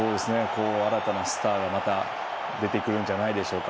新たなスターが、また出てくるんじゃないでしょうか。